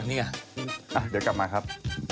เดี๋ยวกลับมาครับ